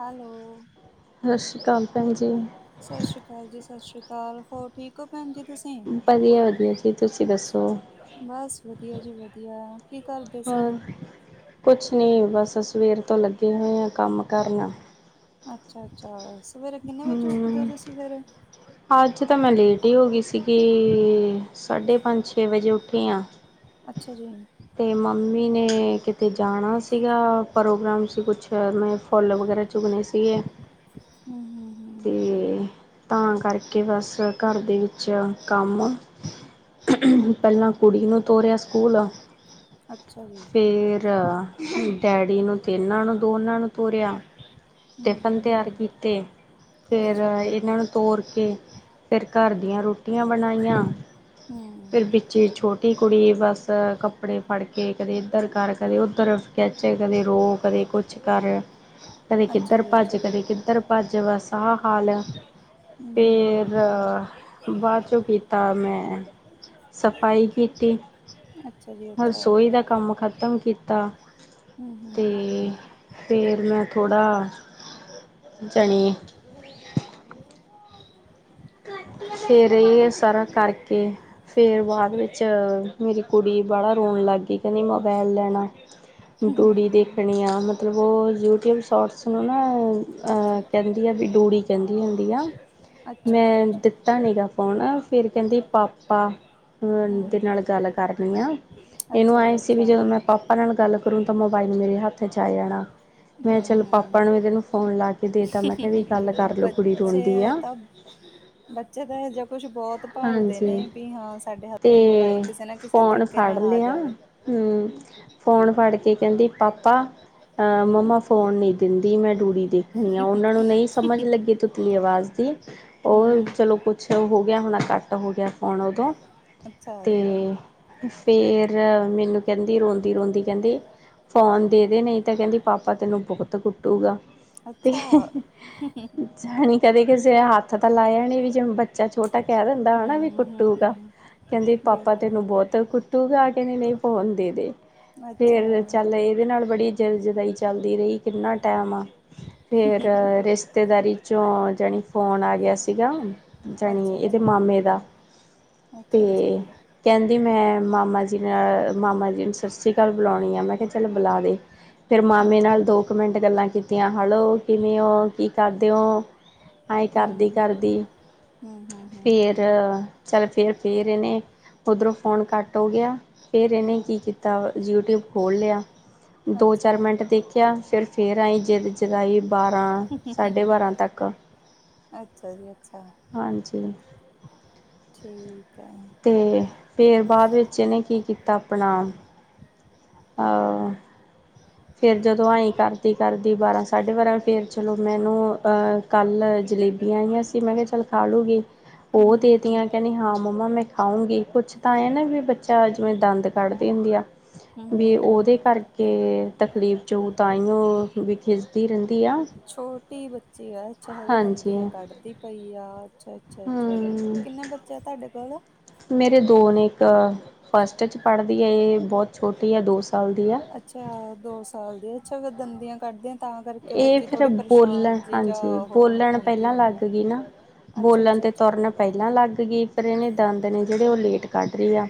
Hello ਸਤਿ ਸ਼੍ਰੀ ਅਕਾਲ ਭੈਣ ਜੀ। ਸਸ ਸ਼੍ਰੀ ਕਾਲ ਜੀ, ਸਸ ਸ਼੍ਰੀ ਕਾਲ ਹੋਰ ਠੀਕ ਓ ਭੈਣ ਜੀ ਤੁਸੀਂ। ਵਧੀਆ ਵਧੀਆ ਜੀ ਤੁਸੀਂ ਦੱਸੋ ਬਸ ਵਦੀਆ ਜੀ ਵਦੀਆ, ਕੀ ਕਰਦੇ ਸੀ? ਹੋਰ ਕੁਛ ਨੀ ਬਸ ਸਵੇਰ ਤੋਂ ਲੱਗੇ ਹੋਏ ਆ ਕੰਮ ਕਰਨ। ਅੱਛਾ-ਅੱਛਾ, ਸਵੇਰੇ ਕਿੰਨੇ ਵਜੇ ਉੱਠਦੇ ਓ ਹਮ ਤੁਸੀਂ ਫੇਰ? ਅੱਜ ਤਾਂ ਮੈਂ ਲੇਟ ਈ ਹੋਗੀ ਸੀਗੀ ਸਾਢੇ ਪੰਜ-ਛੇ ਵਜੇ ਉੱਠੀ ਆਂ। ਅੱਛਾ ਜੀ। ਤੇ ਮੰਮੀ ਨੇ ਕਿਤੇ ਜਾਣਾ ਸੀਗਾ, ਪ੍ਰੋਗਰਾਮ ਸੀ ਕੁਛ ਮੈਂ ਫੁੱਲ ਵਗੈਰਾ ਚੁਗਣੇ ਸੀਗੇ। ਹੂੰ, ਹੂੰ, ਹੂੰ। ਤੇ ਤਾਂ ਕਰਕੇ ਬਸ ਘਰ ਦੇ ਵਿੱਚ ਕੰਮ ਪੈਲਾਂ ਕੁੜੀ ਨੂੰ ਤੋਰੇਆ ਸਕੂਲ। ਅੱਛਾ ਜੀ। ਫਿਰ ਡੈਡੀ ਨੂੰ ਤੇ ਇੰਨਾਂ ਨੂੰ ਦੋਨਾਂ ਨੂੰ ਤੋਰੇਆ। ਹੂੰ ਟਿਫ਼ਨ ਹੂੰ ਤੈਆਰ ਹੂੰ। ਕੀਤੇ। ਫਿਰ ਅੱਛਾ ਜੀ, ਇਨਾਂ ਨੂੰ ਤੋਰ ਕੇ ਫਿਰ ਘਰ ਦੀਆਂ ਰੋਟੀਆਂ ਬਣਾਈਆਂ। ਹੂੰ, ਫਿਰ ਬਿੱਚੇ ਈ ਛੋਟੀ ਕੁੜੀ ਬਸ ਕੱਪੜੇ ਫੜ ਕੇ ਕਦੇ ਏਧਰ ਕਰ ਕਦੇ ਓਧਰ ਖੇਚ ਕਦੇ ਰੋ, ਕਦੇ ਕੁਛ ਕਰ, ਕਦੇ ਅੱਛਾ ਕਿੱਧਰ ਜੀ ਭੱਜ, ਅੱਛਾ, ਕਦੇ ਕਿੱਧਰ ਭੱਜ ਬਸ। ਆ ਹਾਲ ਆ। ਫਿਰ ਹੂੰ। ਬਾਦ ਚੋਂ ਕੀਤਾ ਮੈਂ ਸਫਾਈ ਕੀਤੀ। ਅੱਛਾ ਜੀ। ਅੱਛਾ, ਰਸੋਈ ਦਾ ਕੰਮ ਖਤਮ ਕੀਤਾ ਹੂੰ ਹੂੰ ਤੇ ਹੂੰ ਹੂੰ, ਫਿਰ ਮੈਂ ਥੋੜਾ ਜਣੀ ਫਿਰ ਏ ਸਾਰਾ ਕਰਕੇ ਫਿਰ ਬਾਦ ਵਿੱਚ ਮੇਰੀ ਕੁੜੀ ਬੜਾ ਰੋਣ ਲੱਗ ਗੀ, ਕੈਂਦੀ ਮੋਬਾਇਲ ਲੈਣਾ। ਹੂੰ ਟੂੜੀ ਹੂੰ। ਦੇਖਣੀ ਆ ਮਤਲਬ ਓ ਯੂਟਿਊਬ ਸ਼ੋਟਸ ਨੂੰ ਨਾ ਅੱਛਾ ਅ ਅੱਛਾ, ਕੈਂਦੀ ਆ ਵੀ ਡੂੜੀ ਕੈਂਦੀ ਹੁੰਦੀ ਆ। ਅੱਛਾ ਜੀ ਮੈਂ ਅੱਛਾ, ਦਿੱਤਾ ਨੀ ਗਾ ਫੋਨ ਫਿਰ ਕੈਂਦੀ ਪਾਪਾ ਅ ਹੂੰ ਦੇ ਹੂੰ, ਨਾਲ ਗੱਲ ਕਰਨੀ ਆ, ਇਨੂੰ ਅੱਛਾ ਆਏ ਜੀ ਸੀ ਵੀ ਅੱਛਾ, ਜਦੋਂ ਮੈਂ ਪਾਪ ਪਾ ਨਾਲ ਗੱਲ ਕਰੂ ਤਾਂ ਮੋਬਾਇਲ ਮੇਰੇ ਹੱਥ 'ਚ ਆ ਜਾਣਾ। ਮੈਂ ਹੂੰ ਚਲੋ ਹੂੰ। ਪਾਪਾ ਨੂੰ ਏਦੇ ਨੂੰ ਫੋਨ ਲਾ ਕੇ ਦੇਤਾ ਮੈਂ ਕੇਆ ਵੀ ਗੱਲ ਹਮ ਕਰ ਲੋ ਕੁੜੀ ਬੱਚੇ ਰੋਂਦੀ ਆ। ਤਾਂ ਬੱਚੇ ਤਾਂ ਇਹੋ ਜਯਾ ਕੁਛ ਬੋਹਤ ਭਾਲਦੇ ਹਾਂਜੀ ਨੇ ਵੀ ਹਾਂ ਸਾਡੇ ਹੱਥ ਮੋਬਾਇਲ ਤੇ ਕਿਸੇ ਨਾ ਕਿਸੇ ਫੋਨ ਤਰੀਕ ਕੇ ਫੜ ਨਾਲ ਆ ਲਿਆ ਜਾਵੇ। ਹੂੰ, ਫੋਨ ਫੜ ਕੇ ਕੈਂਦੀ ਪਾਪਾ ਅ ਮੰਮਾ ਫੋਨ ਨੀ ਦਿੰਦੀ ਮੈਂ ਡੂੜੀ ਦੇਖਣੀ ਆ, ਓਨਾਂ ਨੂੰ ਨਈ ਸਮਝ ਲੱਗੀ ਤੁਤਲੀ ਆਵਾਜ਼ ਦੀ। ਓ ਹਮ ਹਮ ਚਲੋ ਕੁਛ ਹੋ ਗਯਾ ਹੋਣਾ ਕੱਟ ਹੋ ਗੇਆ। ਹੁਣ ਓਦੋਂ ਅੱਛਾ ਤੇ ਜੀ ਫਿਰ ਮੈਨੂੰ ਕੈਂਦੀ ਰੋਂਦੀ ਰੋਂਦੀ ਕੈਂਦੀ ਫੋਨ ਦੇ ਦੇ ਨਈ ਤਾਂ ਕੈਂਦੀ ਪਾਪਾ ਤੈਨੂੰ ਬੋਹਤ ਕੁੱਟੂਗਾ। ਤੇ ਅੱਛਾ ਜਾਣੀ ਕਦੇ ਕਿਸੇ ਹੱਥ ਤਾਂ ਲਾਇਆ ਨਈ ਵੀ ਜਿਵੇਂ ਬੱਚਾ ਛੋਟ ਟਾ ਕੈ ਦੇਂਦਾ ਹਨਾ ਵੀ ਹਮ ਹਮ ਕੁੱਟੂਗਾ। ਹਮ ਕੈਂਦੀ ਪਾਪਾ ਬਿਲਕੁਲ ਤੈਨੂੰ ਬੋਤ ਕੁੱਟੂਗਾ, ਕੈਂਦੀ ਨਈ ਫੋਨ ਦੇ ਦੇ। ਅੱਛਾ ਫੇਰ ਚੱਲ ਇਹਦੇ ਨਾਲ ਬੜੀ ਜਿਦ ਜਦਾਈ ਚੱਲਦੀ ਰਹੀ ਕਿੰਨਾ ਟੈਮ ਆ ਫਿਰ ਰਿਸ਼ਤੇਦਾਰੀ ਚੋਂ ਜਾਣੀ ਫੋਨ ਆ ਗਿਆ ਸੀਗਾ ਜਾਣੀ ਅੱਛਾ ਇਹਦੇ ਅੱਛਾ ਮਾਮੇ ਦਾ ਤੇ ਅੱਛਾ ਅੱਛਾ ਜੀ ਕਹਿੰਦੀ ਮੈਂ ਮਾਮਾ ਜੀ ਨਾਲ ਮਾਮਾ ਜੀ ਨੂੰ ਸਤਿ ਸ੍ਰੀ ਅਕਾਲ ਬੁਲਾਉਣੀ ਆ ਮੈਂ ਕਿਹਾ ਚਲ ਬੁਲਾ ਦੇ ਫੇਰ ਹਮ ਮਾਮੇ ਨਾਲ ਦੋ ਕ ਮਿੰਟ ਗੱਲਾਂ ਕੀਤੀਆਂ ਹੈਲੋ ਕਿਵੇਂ ਹੋ ਕੀ ਕਰਦੇ ਹੋ ਆਏਂ ਹਮ ਕਰਦੀ ਕਰਦੀ ਹਮ ਹਮ ਫੇਰ ਹਮ ਚਲ ਫਿਰ ਫਿਰ ਇਹਨੇ ਉੱਧਰੋਂ ਫ਼ੋਨ ਕੱਟ ਹੋ ਗਿਆ ਫਿਰ ਇਹਨੇ ਕੀ ਹਮ ਕੀਤਾ ਤਾਂ ਯੂਟਿਊਬ ਖੋਲ੍ਹ ਲਿਆ ਦੋ ਅੱਛਾ ਚਾਰ ਮਿੰਟ ਦੇਖਿਆ ਫਿਰ ਫ ਫਿਰ ਆਈਂ ਜਿੱਦ ਚਲਾਈ ਬਾਰ੍ਹਾਂ ਸਾਢੇ ਬਾਰਾਂ ਤੱਕ ਅੱਛਾ ਜੀ ਅੱਛਾ ਹਾਂਜੀ ਠੀਕ ਹੈ ਅਤੇ ਫਿਰ ਬਾਅਦ ਵਿੱਚ ਇਹਨੇ ਕੀ ਕੀਤਾ ਆਪਣਾ ਅਹ ਫਿਰ ਜਦੋਂ ਆਏਂ ਕਰਦੀ ਕਰਦੀ ਬਾਰਾਂ ਸਾਢੇ ਬਾਰਾਂ ਫਿਰ ਚਲੋ ਮੈਂ ਏਨੂੰ ਅ ਕੱਲ੍ਹ ਜਲੇਬੀਆਂ ਆਈਆਂ ਸੀ ਮੈਂ ਕਿਹਾ ਚੱਲ ਖਾ ਲੂਗੀ ਉਹ ਹਮ ਹਮ ਦੇਤੀਆਂ ਕਹਿੰਦੀ ਹਾਂ ਮੰਮਾ ਮੈਂ ਖਾਊਂਗੀ ਕੁਛ ਤਾਂ ਏ ਹਮ ਨਾ ਵੀ ਬੱਚਾ ਜਿਵੇਂ ਦੰਦ ਕੱਢਦੀ ਹੁੰਦੀ ਆ ਹਮ ਹਮ ਵੀ ਹਮ ਉਹਦੇ ਕਰਕੇ ਤਕਲੀਫ 'ਚ ਹੋਊ ਤਾਂਹੀਓ ਵੀ ਖਿਝੀ ਦੀ ਰਹਿੰਦੀ ਆ ਛੋਟੀ ਬੱਚੀ ਆ ਚਾਹੇ ਹਾਂਜੀ ਦੰਦੀਆਂ ਕੱਢਦੀ ਪਈ ਆ ਅੱਛਾ ਅੱਛਾ ਅੱਛਾ ਜੀ ਹੂੰ ਕਿੰਨੇ ਬੱਚੇ ਆ ਤੁਹਾਡੇ ਕੋਲ ਮੇਰੇ ਦੋ ਨੇ ਇੱਕ ਫਸਟ 'ਚ ਪੜ੍ਹਦੀ ਆ ਇਹ ਬਹੁਤ ਛੋਟੀ ਆ ਦੋ ਸਾਲ ਦੀ ਆ ਅੱਛਾ ਦੋ ਸਾਲ ਦੀ ਅੱਛਾ ਫਿਰ ਦੰਦੀਆਂ ਕੱਢਦੀ ਇਹ ਫਿਰ ਬੋਲਣ ਜਾਂ ਹਾਂਜੀ ਉਹ ਬੋਲਣ ਹੁੰਦੀ ਪਹਿਲਾਂ ਹੋਣੀ ਆ ਲੱਗ ਗੀ ਨਾ ਅੱਛਾ ਬੋਲਣ ਅੱਛਾ ਤੇ ਅੱਛਾ ਤੁਰਨ ਪਹਿਲਾਂ ਲੱਗ ਗਈ ਫੇਰ ਇਹਨੇ ਦੰਦ ਨੇ ਜਿਹੜੇ ਉਹ ਲੇਟ ਕੱਢ ਰਹੀ ਆ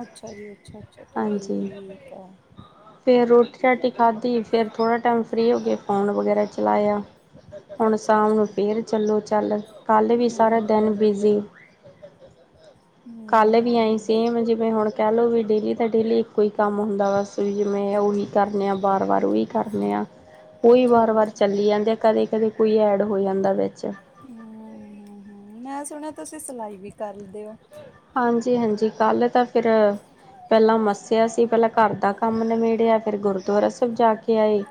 ਅੱਛਾ ਜੀ ਅੱਛਾ ਅੱਛਾ ਹਾਂਜੀ ਠੀਕ ਐ ਫਿਰ ਰੋਟੀ ਰਾਟੀ ਖਾਧੀ ਫਿਰ ਥੋੜ੍ਹਾ ਟਾਈਮ ਫਰੀ ਹੋ ਕੇ ਫ਼ੋਨ ਵਗੈਰਾ ਚਲਾਇਆ ਹੁਣ ਅੱਛਾ ਸ਼ਾਮ ਅੱਛਾ ਨੂੰ ਜੀ ਫਿਰ ਚੱਲੋ ਚੱਲ ਕੱਲ੍ਹ ਵੀ ਹਮ ਸਾਰਾ ਦਿਨ ਹਮ ਬਿਜ਼ੀ ਹਮ ਕੱਲ ਵੀ ਏਈ ਹਮ ਸੇਮ ਜਿਵੇਂ ਕਹਿ ਲਓ ਵੀ ਡੇਲੀ ਤਾਂ ਡੇਲੀ ਇੱਕੋ ਹੀ ਕੰਮ ਹੁੰਦਾ ਬਸ ਵੀ ਮੈਂ ਉਹੀ ਕਰਨੇ ਆ ਬਾਰ ਵਾਰ ਉਹੀ ਹੀ ਕਰਨੇ ਆ ਉਹੀ ਅੱਛਾ ਵਾਰ ਜੀ ਵਾਰ ਅੱਛਾ ਚੱਲੀ ਜਾਂਦੇ ਆ ਕਦੇ ਕਦੇ ਕੋਈ ਐਡ ਹੋ ਜਾਂਦਾ ਵਿੱਚ ਹੂੰ ਹੂੰ ਮੈਂ ਸੁਣਿਆ ਤੁਸੀਂ ਸਿਲਾਈ ਵੀ ਕਰਦੇ ਹੋ ਹਾਂਜੀ ਹਾਂਜੀ ਕੱਲ ਤਾਂ ਫਿਰ ਪਹਿਲਾਂ ਮੱਸਿਆ ਸੀ ਪਹਿਲਾਂ ਘਰ ਦਾ ਕੰਮ ਨਿਬੇੜਿਆ ਫਿਰ ਗੁਰਦੁਆਰਾ ਸਾਹਿਬ ਜਾ ਕੇ ਆਏ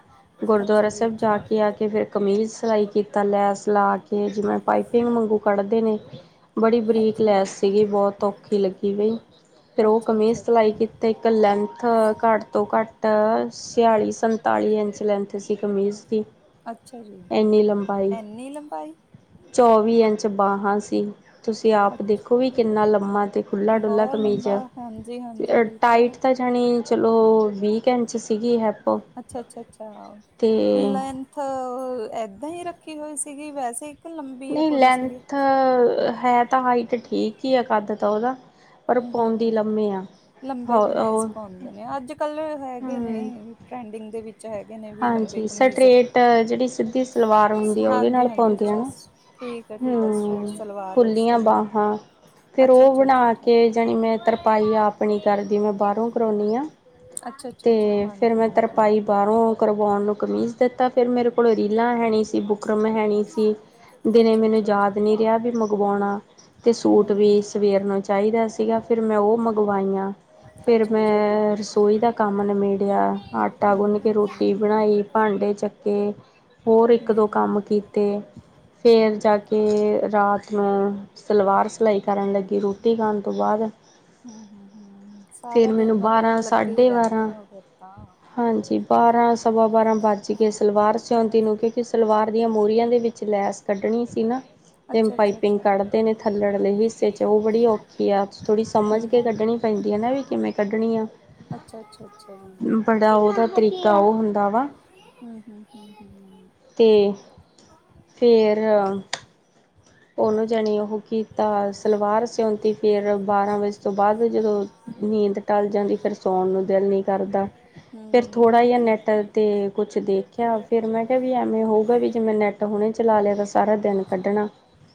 ਗੁਰਦੁਆਰਾ ਅੱਛਾ ਜੀ ਸਾਹਿਬ ਜਾ ਅੱਛਾ ਕੇ ਆ ਕੇ ਫਿਰ ਕਮੀਜ਼ ਸਿਲਾਈ ਕੀਤਾ ਲੈਸ ਲਾ ਕੇ ਜਿਵੇਂ ਪਾਈਪਿੰਗ ਵਾਂਗੂ ਕੱਢਦੇ ਨੇ ਬੜੀ ਬਰੀਕ ਅੱਛਾ ਜੀ ਲੈਸ ਅੱਛਾ ਸੀਗੀ ਬਹੁਤ ਔਖੀ ਲੱਗੀ ਬਈ ਫੇਰ ਉਹ ਅੱਛਾ ਕਮੀਜ਼ ਅੱਛਾ ਸਿਲਾਈ ਭੈਣ ਜੀ ਕੀਤੇ ਇੱਕ ਲੈਂਥ ਘੱਟ ਤੋਂ ਘੱਟ ਛਿਆਲੀ ਸੰਤਾਲੀ ਇੰਚ ਲੈਂਥ ਸੀ ਕਮੀਜ਼ ਦੀ ਅੱਛਾ ਜੀ ਇੰਨੀ ਲੰਬਾਈ ਇੰਨੀ ਲੰਬਾਈ ਚੌਵੀ ਇੰਚ ਬਾਹਾਂ ਸੀ ਤੁਸੀਂ ਆਪ ਅੱਛਾ ਦੇਖੋ ਵੀ ਕਿੰਨਾ ਲੰਬਾ ਲਮਾਂ ਤੇ ਖੁੱਲਾ ਡੁੱਲਾ ਬਹੁਤ ਕਮੀਜ਼ ਲੰਬਾ ਹਾਂਜੀ ਹਾਂਜੀ ਤੇ ਬਿਲਕੁਲ ਟਾਈਟ ਤਾਂ ਚਲੋ ਵੀ ਕੇ ਇੰਚ ਸੀ ਅੱਛਾ ਅੱਛਾ ਅੱਛਾ, ਤੇ ਲੈ ਲੈਂਦਾ ਏਦਾਂ ਹੀ ਰੱਖੀ ਹੋਈ ਸੀਗੀ ਵੈਸੇ ਲੰਬੀ ਆ ਨਈ ਕੁੜੀ ਸੀਗੀ ਲੈਂਥ ਹੈ ਤਾਂ ਹਾਈਟ ਠੀਕ ਈ ਆ ਕੱਦ ਤਾ ੳਦਾ। ਪਰ ਹੂੰ ਹੂੰ ਹੂੰ ਪੳੰਦੀ ਲੰਮੇ ਆ, ਹੋਰ ੳਹ ਨਈ ਅੱਜ-ਕਲ ਹੈਗੇ ਨੇ ਟਰੈਂਡਿੰਗ ਦੇ ਵਿੱਚ ਹੈਗੇ ਨੇ ਵੀ ਲੰਬੇ ਹਾਂਜੀ ਕਮੀਜ਼ ਸਟਰੇਟ ਜੇੜੀ ਸਿੱਧੀ ਸਲਵਾਰ ਹੁੰਦੀ ਆ ੳਦੇ ਨਾਲ ਹਾਂਜੀ ਹਾਂਜੀ ਪੋੳਦੇ ਏ ਅੱਛਾ ਨਾ ਠੀਕ ਹੈ ਠੀਕ ਹੈ ਸਟਰੇਟ ਹੂੰ, ਸਲਵਾਰ ਖੁੱਲੀਆਂ ਸਹੀ ਹੈ ਬਾਹਾਂ ਫੇਰ ਅੱਛਾ ੳਹ ਅੱਛਾ ਅੱਛਾ ਬਨਾ ਕੇ ਜੀ ਨੀ ਮੈਂ ਅੱਛਾ ਤਰਪਾਈ ਆਪ ਨੀ ਕਰਦੀ ਮੈਂ ਬਾਹਰੋਂ ਕਰੋਨੀ ਆ। ਅੱਛਾ ਅੱਛਾ ਤੇ ਅੱਛਾ ਫੇਰ ਹਾਂਜੀ ਮੈਂ ਹਾਂਜੀ ਤਰਪਾਈ ਬਾਹਰੋ ਕਰਵੳਣ ਨੂੰ ਕਮੀਜ ਤੇ ਤਾਂ ਫਿਰ ਮੇਰੇ ਕੋਲੇ ਰੀਲਾਂ ਹੈਣੀ ਸੀ ਬੁਕਰਮ ਹੈਣੀ ਸੀ। ਦਿਨੇ ਅੱਛਾ ਮੈਨੂੰ ਅੱਛਾ ਅੱਛਾ ਯਾਦ ਨਈ ਰਿਆ ਵੀ ਮੰਗਵੳਣਾ ਤੇ ਹਮ ਸੂਟ ਵੀ ਹਮ ਸਵੇਰ ਨੂੰ ਚਾਈਦਾ ਸੀਗਾ ਫੇਰ ਮੈਂ ੳਹ ਮੰਗਵਾਈਆਂ। ਫੇਰ ਅੱਛਾ ਅੱਛਾ ਜੀ ਮੈਂ ਰਸੋਈ ਦਾ ਕੰਮ ਨਮੇੜਿਆ ਆਟਾ ਹਮ ਗੁੰਨ ਕੇ ਰੋਟੀ ਹਮ ਬਨਾਈ, ਭਾਂਡੇ ਚੱਕੇ, ਹੋਰ ਹਮ ਹਮ ਇੱਕ-ਦੋ ਹਮ ਕੰਮ ਕੀਤੇ। ਫੇਰ ਜਾ ਕੇ ਰਾਤ ਨੂੰ ਸਲਵਾਰ ਸਲਾਈ ਕਰਨ ਲੱਗੀ ਰੋਟੀ ਖਾਣ ਤੋ ਬਾਅਦ ਹਮ ਹਮ ਹਮ ਫੇਰ ਸਾਰਾ ਦਿਨ ਮੈਨੂੰ ਮਤਲਬ ਲੱਗੇ ਹੀ ਬਾਰਾਂ-ਸਾਢੇ ਬਾਰਾਂ ਰਹਿੰਦੇ ਹੋ ਫਿਰ ਤਾਂ ਹਾਂਜੀ ਬਾਰਾਂ-ਸਵਾ ਬਾਰਾਂ ਵੱਜ ਗੇ ਸਲਵਾਰ ਸਉਂਦੀ ਨੂੰ ਕਿਂੳਕਿ ਸਲਵਾਰ ਦੀਆਂ ਮੋਹਰੀਆਂ ਦੇ ਵਿੱਚ ਲੈਸ ਕੱਢਣੀ ਸੀ ਨਾ ਤੇ ਅੱਛਾ ਅੱਛਾ ਪਾਈਪਿੰਗ ਅੱਛਾ ਕੱਢ਼ ਨੇ ਥੱਲੜੇ ਹਿੱਸੇ ਚ, ੳਹ ਬੜੀ ਔਖੀ ਕੀ ਆਪ ਸ ਥੋੜੀ ਸਮਝ ਹਮ ਕੇ ਹਮ ਕੱਢਨੀ ਪੈਂਦੀ ਏ ਨਾ ਵੀ ਕਿਵੇਂ ਕੱਢਨੀ ਆ। ਅੱਛਾ ਅੱਛਾ ਅੱਛਾ ਜੀ ਬੜਾ ੳਦਾ ਤਰੀਕਾ ੳਹ ਹੁੰਦਾ ਵਾ ਹੂੰ ਹੂੰ ਹੂੰ ਹੂੰ ਤੇ ਫੇਰ ੳਨੂੰ ਜਣੀ ੳਹ ਕੀਤਾ ਸਲਵਾਰ ਸਿਉਂਤੀ ਫਿਰ ਬਾਰਾਂ ਵਜੇ ਤੋਂ ਬਾਦ ਜਦੋ ਨੀਂਦ ਟਲ ਜਾਂਦੀ ਫੇਰ ਸੌਣ ਨੂੰ ਦਿਲ ਨਈ ਕਰਦਾ ਫੇਰ ਹਮ ਥੋੜਾ ਇਹ ਯਾ ਤੇ ਨੇੱਟ ਤੇ ਕੁਛ ਦੇਖੇਆ ਫੇਰ ਮੈਂ ਕੇਹਾ ਵੀ ਐਵੇਂ ਹੋਊਗਾ ਵੀ ਜਿਵੇਂ ਨੈੱਟ ਹੁਣੇ ਚਲਾ ਲਿਆ ਤਾਂ ਸਾਰਾ ਦਿਨ ਕੱਢਣਾ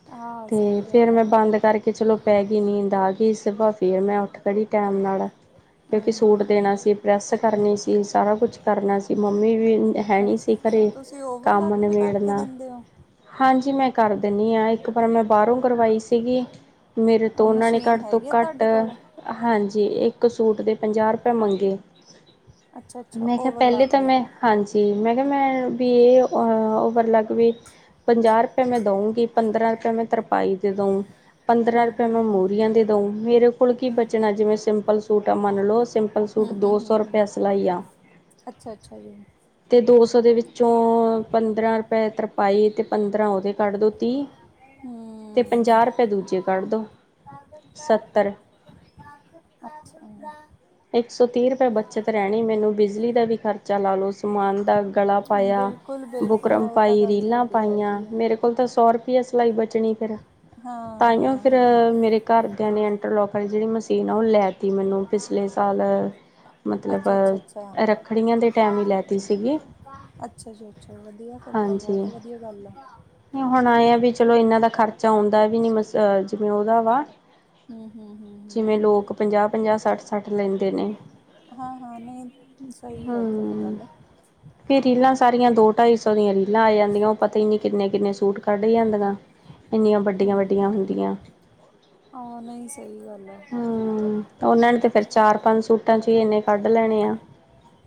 ਹਾਂ ਤੇ ਸਹੀ ਫੇਰ ਗੱਲ ਆ ਮੈਂ ਬੰਦ ਕਰਕੇ ਚਲੋ ਪੈ ਗਈ ਨੀਂਦ ਆ ਗਈ, ਸੁਬਹ ਫੇਰ ਮੈਂ ਉੱਠ ਖੜੀ ਟੈਮ ਨਾਲ। ਅਹ ਹਮ ਕਿਉਂਕਿ ਸੂਟ ਹਮ ਦੇਨਾ ਸੀ, ਪ੍ਰੈੱਸ ਕਰਨੀ ਸੀ, ਸਾਰਾ ਕੁਛ ਕਰਨਾ ਸੀ। ਮੰਮੀ ਵੀ ਹੈ ਨੀ ਅੱਛਾ ਸੀ ਅੱਛਾ ਘਰੇ। ਤੁਸੀਂ ਕੰਮ ਓਵਰਲਾਕ ਵੀ ਕਰਕੇ ਨਬੇੜਨਾ ਦਿੰਦੇ ਹੋ ਹਾਂਜੀ ਮੈਂ ਕਰ ਦੇਨੀ ਆਂ, ਇੱਕ ਪਰ ਮੈਂ ਬਾਹਰੋਂ ਕਰਵਾਈ ਸੀਗੀ। ਮੇਰੇ ਤੋ ੳਨਾ ਨੇ ਮਸ਼ੀਨ ਘੱਟ ਤੋ ਹੈਗੀ ਆ ਘੱਟ ਤੁਹਾਡੇ ਕੋਲ ਹਾਂਜੀ ਇੱਕ ਸੂਟ ਦੇ ਪੰਜਾਹ ਰੁਪਏ ਮੰਗੇ। ਅੱਛਾ ਅੱਛਾ ਮੈਂ ਕਿਹਾ ਪੈਲੇ ਓਵਰਲਾਕ ਤਾਂ ਦੇ ਮੈਂ ਹਾਂਜੀ ਮੈਂ ਕਿਹਾ ਮੈਂ ਵੀ ਇਹ ਓਵਰਲੱਗ ਵੀ ਪੰਜਾਹ ਰੁਪਏ ਮੈਂ ਦਊਂਗੀ ਪੰਦਰਾਂ ਰੁਪਏ ਮੈਂ ਤਰਪਾਈ ਦੇ ਦਊ ਪੰਦਰਾਂ ਹਮ ਰੁਪਏ ਮੈਂ ਹਮ ਹਮ ਮੋਹਰੀਆਂ ਦੇ ਦਊ, ਮੇਰੇ ਕੋਲ ਕੀ ਹਮ ਬਚਨਾ ਜਿਵੇਂ ਸਿੰਪਲ ਸੂਟ ਆ ਮੰਨ ਲਓ ਸਿੰਪਲ ਸਿੰਪਲ ਸੂਟ ਹਮ ਹਮ ਦੋ ਹਮ ਸੌ ਹਮ ਰੁਪਏਆ ਸਲਾਈ ਆ। ਅੱਛਾ ਅੱਛਾ ਜੀ ਤੇ ਦੋ ਸੌ ਦੇ ਵਿੱਚੋਂ ਪੰਦਰਾਂ ਰੁਪਏ ਤਰਪਾਈ ਤੇ ਪੰਦਰਾਂ ੳਹਦੇ ਕੱਢ ਦੳ, ਤੀਹ ਹੂੰ। ਤੇ ਪੰਜਾਹ ਰੁਪਏ ਦੂਜੇ ਕੱਢ ਦੳ, ਸੱਤਰ ਅੱਛਾ। ਏਕ ਸੌ ਤੀਹ ਰੁਪਏ ਬੱਚਤ ਰਹਣੀ ਮੈਨੂੰ, ਬਿਜਲੀ ਦਾ ਵੀ ਖਰਚ ਚਾ ਲਾਓ ਸਮਾਨ ਦਾ ਗਲਾ ਪਾਇਆ, ਬਿਲਕੁਲ ਬਿਲਕੁਲ ਬੁਕਰਮ ਉਹ ਤਾਂ ਪਾਈ, ਗੱਲ ਰੀਲਾਂ ਤੁਹਾਡੀ ਪਾਈਆਂ ਹੈਗੀ ਆ ਮੇਰੇ ਤਾਂ ਸੌ ਰੁਪਇਆ ਸਿਲਾਈ ਬਚਣੀ ਫੇਰ ਹਾਂ ਤਾਈਂ ਹਾਂ ਫੇਰ ਹਾਂ ਮੇਰੇ ਘਰਦਿਆਂ ਨੇ ਇੰਟਰਲੋਕ ਵਾਲੀ ਜਿਹੜੀ ਮਸ਼ੀਨ ਆ ਉਹ ਲੈ ਤੀ ਮੈਨੂੰ ਪਿਛਲੇ ਸਾਲ ਆ ਮਤਲਬ ਅੱਛਾ ਅੱਛਾ ਅੱਛਾ ਰੱਖੜੀਆਂ ਦੇ ਟਾਈਮ ਈ ਲੈਤੀ ਸੀਗੀ। ਅੱਛਾ ਜੀ। ਅੱਛਾ, ਵਧੀਆ ਫਿਰ ਤਾਂ ਹਾਂਜੀ ਬਹੁਤ ਵਧੀਆ ਗੱਲ ਆ। ਹੁਣ ਆਏ ਆ ਵੀ ਚਲੋ ਇਹਨਾਂ ਖਰਚਾ ਆਉਂਦਾ ਵੀ ਨੀ ਮਸ ਜਿਵੇਂ ਉਹਦਾ ਵਾ ਹਮ ਹਮ ਹਮ ਜਿਵੇਂ ਹਮ ਲੋਕ ਪੰਜਾਹ ਪੰਜਾਹ ਸੱਠ ਕੱਟ ਲੈਂਦੇ ਨੇ ਹਾਂ ਹਾਂ ਨਹੀਂ ਸਹੀ ਹੈ ਤੁਹਾਡੀ ਹੂੰ। ਗੱਲ ਫਿਰ ਰੀਲਾਂ ਸਾਰੀਆਂ ਦੋ ਢਾਈ ਸੌ ਰੀਲਾਂ ਆ ਜਾਂਦੀਆਂ ਨੇ, ਉਹ ਪਤਾ ਈ ਨੀ‌ ਕਿੰਨੇ ਕਿੰਨੇ ਸੂਟ ਕੱਢ ਜਾਂਦੀਆਂ ਇੰਨੀਆਂ ਵੱਡੀਆਂ ਵੱਡੀਆਂ ਹੁੰਦੀਆਂ। ਆ ਨਹੀਂ ਸਹੀ ਗੱਲ ਏ। ਹੂੰ ਉਹਨਾਂ ਨੇ ਤੇ ਫਿਰ ਚਾਰ ਪੰਜ ਸੂਟ ਖਰਚੇ ਇੰਨੇ ਕੱਢ ਲੈਣੇ ਆ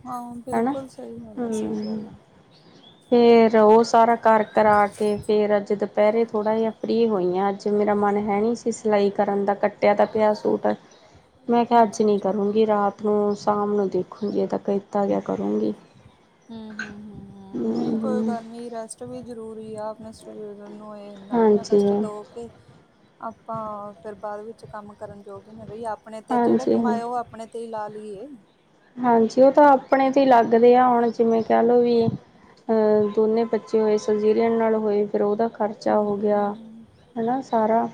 ਹਾਂ ਹਨਾ ਬਿਲਕੁਲ ਸਹੀ ਗੱਲ ਆ ਸਹੀ ਹੂੰ। ਗੱਲ ਆ ਫੇਰ ਉਹ ਸਾਰਾ ਕਰ ਕਰਾ ਕੇ ਫੇਰ ਅੱਜ ਦੁਪਹਿਰੇ ਥੋੜ੍ਹਾ ਜਿਹਾ ਫਰੀ ਹੋਈ ਆ ਅੱਜ। ਜੇ ਮੇਰਾ ਮਨ ਹੈ ਨਹੀਂ ਸੀ ਸਿਲਾਈ ਕਰਨ ਦਾ, ਕੱਟਿਆ ਤਾਂ ਪਿਆ ਸੂਟ ਮੈਂ ਕਿਹਾ ਅੱਜ ਅੱਛਾ ਅੱਛਾ ਵੀ ਰਾਤ ਨੂੰ ਸ਼ਾਮ ਨੂੰ ਦੇਖੂਗੀ, ਜੇ ਤਾਂ ਕੀਤਾ ਗਿਆ ਕਰੂੰਗੀ। ਹੂੰ ਹੂ ਹੂ ਹੂੰ ਨਹੀਂ ਕੋਈ ਗੱਲ ਨੀ ਰੈਸਟ ਵੀ ਜ਼ਰੂਰੀ ਆ ਆਪਣੇ ਸਰੀਰ ਨੂੰ ਇਹ ਨੀ ਇਨ੍ਹਾਂ ਵੀ ਨਾ ਕਸ਼ਟ ਦੋ ਹਾਂਜੀ-ਹਾਂਜੀ। ਕੇ ਆਪਾਂ ਫੇਰ ਬਾਅਦ ਵਿੱਚ ਕੰਮ ਕਰਨ ਜੋਗ ਹੀ ਨਾ ਰਹੀ ਏ‌ ਆ ਆਪਣੇ ਤੇ ਜਿਹੜਾ ਕਮਾਇਆ ਉਹ ਆਪਣੇ ਤੇ ਈ ਲਾ ਲਈ ਏ। ਹਾਂਜੀ, ਇਹ ਤਾਂ ਆਪਣੇ ਤੇ ਹੀ ਲੱਗਦੇ ਆ ਹੁਣ ਜਿਵੇਂ ਕਹਿ ਲਓ ਵੀ ਅਹ ਦੋਨੇ ਬੱਚੇ ਹੋਏ ਸਜੀਰਿਅਨ ਨਾਲ ਹੋਏ ਫਿਰ ਉਹਦਾ ਖ਼ਰਚਾ ਹੋ ਗਿਆ ਹੂੰ ਹੈਨਾ ਸਾਰਾ।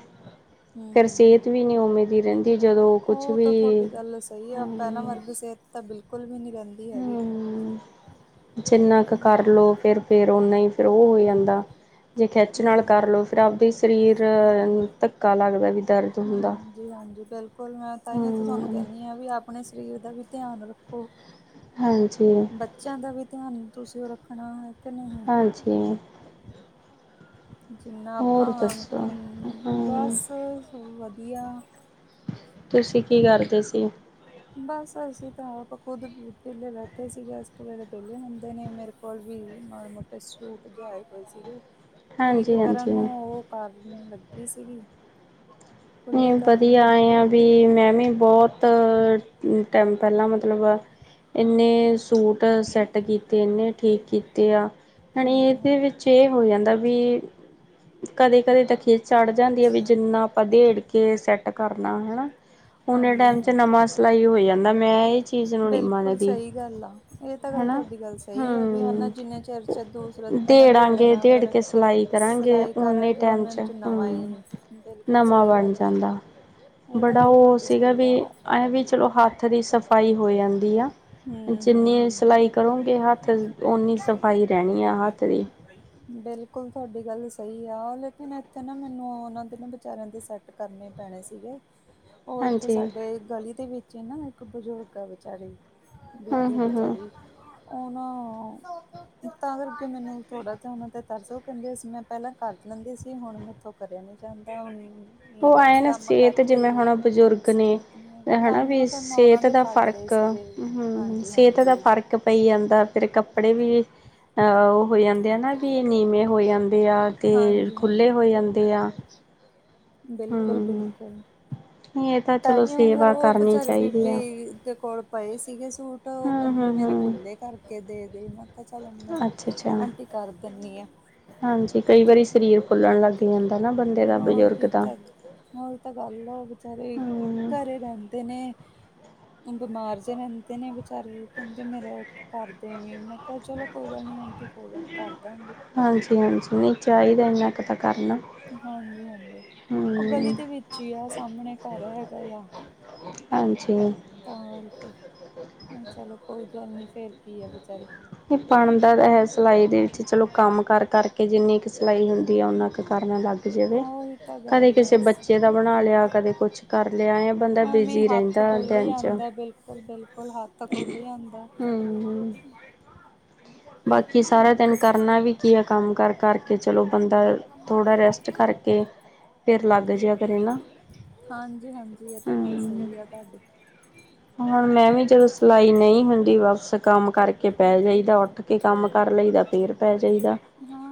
ਹੂੰ ਫਿਰ ਹੂੰ ਸਿਹਤ ਹੂੰ ਵੀ ਨੀ ਉਵੇਂ ਦੀ ਰਹਿੰਦੀ ਜਦੋਂ ਕੁਛ ਉਹ ਵੀ ਤਾਂ ਤੁਹਾਡੀ ਗੱਲ ਸਹੀ ਆ ਪਹਿਲਾਂ ਹਮ ਵਰਗੀ ਸਿਹਤ ਤਾਂ ਬਿਲਕੁਲ ਵੀ ਨੀ ਰਹਿੰਦੀ ਹੈਗੀ। ਹਮ ਜਿੰਨਾ ਕ ਕਰ ਲਉ ਫੇਰ ਫੇਰ ਉਨਾ ਈ ਫੇਰ ਉਹ ਹੋ ਜਾਂਦਾ। ਜੇ ਖਿੱਚ ਨਾਲ ਹੂੰ-ਹੂੰ। ਕਰ ਲਉ ਫਿਰ ਆਪਦੇ ਸਰੀਰ ਆ ਧੱਕਾ ਲੱਗਦਾ ਵੀ ਦਰਦ ਹੁੰਦਾ‌। ਜੀ ਹਾਂਜੀ। ਬਿਲਕੁਲ ਮੈਂ ਤਾਂਹੀਓ ਤਾਂ ਤੁਹਾਨੂੰ ਕਹਿਨੀ ਆ, ਵੀ ਆਪਣੇ ਸਰੀਰ ਦਾ ਵੀ ਧਿਆਨ ਰੱਖੋ। ਹਾਂਜੀ। ਬੱਚਿਆ ਦਾ ਵੀ ਧਿਆਨ ਤੁਸੀਂ ਉਹ ਰੱਖਣਾ ਹੈ ਕਿ ਨਹੀਂ। ਹਾਂਜੀ। ਜਿੰਨਾ ਆਪਾ ਹੋਰ ਦੱਸੋ? ਹਮ ਬਸ ਸ ਵਧੀਆ। ਤੁਸੀਂ ਕੀ ਕਰਦੇ ਸੀ। ਬਸ ਅਸੀਂ ਤਾਂ ਆਪ ਖੁਦ ਵਿਹਲੇ ਬੈਠੇ ਸੀਗੇ ਐਸ ਕੇ ਵੇਲੇ ਵਿਹਲੇ ਹੁੰਦੇ ਨੇ ਮੇ ਕੋਲ ਵੀ ਮਾੜੇ ਮੋਟੇ ਸੂਟ ਆਏ ਹੋਏ ਸੀਗੇ, ਠੀਕ ਕਰਨ ਹਾਂਜੀ-ਹਾਂਜੀ। ਨੂੰ ਉਹ ਕਰਨ ਲੱਗੀ ਸੀਗੀ। ਨਹੀਂ ਖੁੱਲ੍ਹੇ ਕਰਨ ਨੂੰ ਵਧੀਆ ਆਏ ਆ। ਵੀ ਮੈਂ ਵੀ ਬਹੁਤ ਟਮ ਪਹਿਲਾਂ ਮਤਲਬ ਇੰਨੇ ਸੂਟ ਸੈੱਟ ਕੀਤੇ ਇੰਨੇ ਠੀਕ ਕੀਤੇ ਆ, ਹਨ ਇਹਦੇ ਹਾਂਜੀ-ਹਾਂਜੀ, ਵਿੱਚ ਇਹ ਹੋ ਜਾਂਦਾ ਵੀ ਕਦੇ ਕਦੇ ਤਾਂ ਖੀਰ ਚੜ ਜਾਂਦੀ ਹੈ ਵੀ ਜਿੰਨਾ ਆਪਾਂ ਦੇੜ ਜੇ ਸੈੱਟ ਕਰਨਾ ਹੈਨਾ, ਉਨੇ ਟਾਈਮ ਚ ਹਾਂਜੀ-ਹਾਂਜੀ। ਨਵਾਂ ਸਿਲਾਈ ਹੋ ਜਾਂਦਾ ਮੈਂ ਇਹ ਚੀਜ਼ ਨੂੰ ਨਹੀਂ ਬਿਲਕੁਲ ਮੰਨਦੀ ਸਹੀ ਗੱਲ ਆ ਇਹ ਤਾਂ ਗੱਲ ਹਨਾ। ਤੁਹਾਡੀ ਗੱਲ ਸਹੀ ਆ, ਵੀ ਹੈਨਾ ਹੂੰ ਜਿੰਨੇ ਚਿਰ, ਚ ਦੋ ਪਹਿਲਾਂ ਦੇੜਾਂਗੇ ਦੇੇੜਨਾ ਦੇੜ ਫਿਰ ਕੇ ਸਿਲਾਈ ਕਰਾਂਗੇ ਸਿਲਾਈ ਓਨੇ ਕਰਾਂਗੇ ਟਾਈਮ ਉਹਨਾਂ ਚ ਨਵਾਂ ਹੂੰ। ਹੀ ਬਿਲ ਨਵਾਂ ਬਣ ਜਾਂਦਾ ਤਾਂ ਬੜਾ ਗੱਲ ਉਹ ਤੁਹਾਡੀ ਸੀਗਾ ਸਹੀ ਵੀ ਆ ਅਂ ਵੀ ਚਲੋ ਹੱਥ ਹੱਥ ਦੀ ਸਫ਼ਾਈ ਹੋ ਜਾਂਦੀ ਆ। ਹੂੰ ਹੂੰ ਜਿੰਨੀ ਹੂੰ ਸਿਲਾਈ ਕਰੋਂਗੇ ਹੱਥ ਓਨੀ ਸਫ਼ਾਈ ਰਹਿਣੀ ਆ ਹੱਥ ਵੀ ਬਿਲਕੁਲ ਤੁਹਾਡੀ ਗੱਲ ਸਹੀ ਆ ਲੇਕਿਨ ਇੱਥੇ ਨਾ ਮੈਨੂੰ ਉਹਨਾਂ ਦੇ ਨਾ ਵਿਚਾਰਿਆਂ ਦੀ ਸਟ ਕਰਨੇ ਪੈਣੇ ਸੀਗੇ। [inaudible] ਓਥੇ ਸਾਡੇ ਗਲੀ ਦੇ ਵਿਚ ਈ ਨਾ ਇਕ ਬਜ਼ੁਰਗ ਆ ਵਿਚਾਰੀ, ਹੂੰ ਬੀਬੀ ਹੂੰ ਹੂੰ ਵਿਚਾਰੀ ਐ ਨਾ ਤਾਂ ਕਰਕੇ ਮੈਨੂੰ ਥੋੜਾ ਜਾ ਓਨਾਂ ਤੇ ਤਰਸੋ ਓ ਕੈਂਦੇ ਸੀ ਮੈਂ ਪੈਂਲਾਂ ਕਰ ਲੈਂਦੇ ਸੀ ਹੁਨ ਮੇਥੋ ਕਰੇਆ ਨੀ ਜਾਦਾ ਹੁ ਓ ਐਂ ਨਾ ਸੇਤ ਜਿਵੇਂ ਹੁਣ ਬਜ਼ੁਰਗ ਨੇ, ਸਿਹਤ ਨੀ ਹੈਗੀ ਹਨਾ ਵੀ ਤਾਂਹੀਓ ਫਿਰ ਮੈਂ ਉਹਨਾਂ ਸਿਹਤ ਦੇ ਦਾ ਫੜ ਲਏ ਫ਼ਰਕ, ਸੀਗੇ ਹੂੰ, ਹਾਂਜੀ ਸੇਤ ਦਾ ਹਾਂਜੀ ਫਰ ਕ ਪਈ ਜਾਂਦਾ ਫੇਰ ਕੱਪੜੇ ਵੀ, ਆ ਓ ਹੋ ਜਾਂਦੇ ਆ ਨਾ ਵੀ ਨੀਵੇਂ ਹੋ ਜਾਂ ਦੇਆ ਤੇ ਹਾਂਜੀ ਖੁੱਲੇ ਹਾਂਜੀ ਹੋ ਜਾਂਦੇ ਆ। ਹੂੰ ਬਿਲਕੁਲ-ਬਿਲਕੁਲ। ਇਹ ਤਾਂ ਚਲੋ ਈ ਓ ਫਰ ਸੇਵਾ ਓ ਕਰਨੀ ਬੇਚਾਰੀ ਚਾਹੀਦੀ ਆ। ਬੀਬੀ ਦੇ ਕੋਲ ਪਏ ਸੀਗੇ ਸੂਟ ਓ ਹੂੰ ਕੈਂਦੇ ਹੂੰ ਮੇਰੇ ਹੂੰ ਖੁੱਲੇ ਕਰਕੇ ਦੇ ਦੇ ਮੈਂ ਕੇਆ ਚਲ ਮੈਂ, ਅੱਛਾ ਅੱਛਾ ਆਂਟੀ ਕਰ ਦਿੰਦੀ ਆਂ। ਹਾਂਜੀ ਕਈ ਵਾਰੀ ਸਰੀਰ ਫੁੱਲਣ ਲੱਗ ਜਾਂਦਾ ਨਾ ਬੰਦੇ ਦਾ ਬਜ਼ੁਰਗ ਦਾ। ਓਈ ਤਾਂ ਗੱਲ ਐ ਓ ਵੀਚਾਰੇ, ਹੂੰ ਘਰੇ ਰੈਂਦੇ ਨੇ। ਬੀਮਾਰ ਜੇ ਰੈਂਦੇ ਨੇ ਬਚਾਰੇ ਕੈਂਦੇ ਮੇਰਾ ਕਰ ਦੇਵੀ ਮੈਂ ਕੇਆ ਚਲੋ ਕੋਈ ਗੱਲ ਨੀ ਆਂਟੀ ਕੋਈ ਗੱਲ ਨੀ ਕਰਦਾਗੇ। ਹਾਂਜੀ-ਹਾਂਜੀ ਨਈ ਚਾਈਦਾ ਏਨਾ ਕਾ ਤਾਂ ਕਰਨਾ। ਹਾਂਜੀ-ਹਾਂਜੀ, ਓ ਗਲੀ ਹੂੰ ਦੇ ਵਿੱਚ ਈ ਆ ਸਾਮਣੇ ਘਰ ਹੈਗਾ ਆ। ਹਾਂਜੀ। ਤਾਂ ਕਰਕੇ, ਹੁ ਚਲੋ ਕੋਈ ਗੱਲ ਨੀ ਫੇਰ ਕੀ ਆ ਬੀਚਾਰੇ। ਨੀ ਬਣਦਾ ਤਾਂ ਹੈ ਸਿਲਾਈ ਦੇ ਵਿੱਚ ਚਲੋ ਕੰਮ ਕਰ-ਕਰ ਕੇ ਜਿੰਨੀ ਕੁ ਸਿਲਾਈ ਹੁੰਦੀ ਐ ਓਨਾ ਕੁ ਕਰਨ ਲੱਗ ਜਵੇ, ਉਹੀ ਤਾਂ ਕਦੇ ਗੱਲ ਆ ਕਿਸੇ ਬਸ ਬੱਚੇ ਦਾ ਬਣਾ ਲੇਆ ਕਦੇ ਕੁਛ ਕਰ ਲੇਆ ਐ ਬੰਦਾ ਐਵੇਂ ਹੀ ਬਿਜ਼ੀ ਹੱਥ ਰੈਂਦਾ ਖੁੱਲ ਦਿਨ ਚ। ਜਾਂਦਾ ਬਿਲਕੁਲ ਬਿਲਕੁਲ ਹੱਥ ਖੁੱਲ ਜਾਂਦਾ ਹੂੰ। ਬਾਕੀ ਸਾਰਾ ਦਿਨ ਕਰਨਾ ਵੀ ਕੀ ਐ ਕੰਮ ਕਰ-ਕਰ ਕੇ ਚਲੋ ਬੰਦਾ ਥੋੜਾ ਰੈਸਟ ਕਰਕੇ ਫੇਰ ਲੱਗ ਜੇਆ ਕਰੇ ਨਾ। ਹਾਂਜੀ-ਹਾਂਜੀ ਏ ਤਾਂ ਗੱਲ ਹੂੰ ਸਈ ਆ ਧਾਡੀ। ਹੁਣ ਮੈਂ ਵੀ ਜਦੋਂ ਸਿਲਾਈ ਨਈ ਹੁੰਦੀ ਵਸ ਕੰਮ ਕਰਕੇ ਪੈ ਜਾਈਦਾ ਉੱਠ ਕੇ ਕੰਮ ਕਰ ਲਈਦਾ। ਫੇਰ ਪੈ ਜਾਈਦਾ। ਹਾਂ